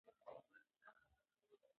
هغه وایي چې په باران کې ګرځېدل خوند ورکوي.